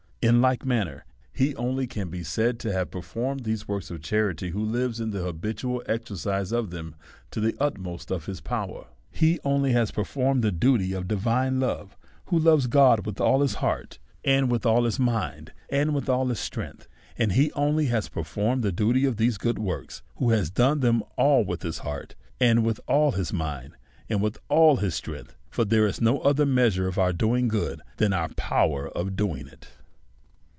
In like manner, he only can be said to have performed these works of charity, who lives in the habitual exercise of them to the utmost of his power. He only has performed the duty of divine love, who loves God w ith all his heart and all his mind, and with all his strength. And he only has performed the duty of these good works who has done them with all his heart, and with all his mind, and with all his strength ; for there is no other measure of our doing good than our power of doing it.